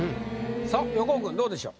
さあ横尾くんどうでしょう？